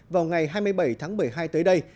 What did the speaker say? vào ngày hai mươi bảy tháng một mươi hai tới đây